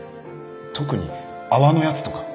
特に泡のやつとか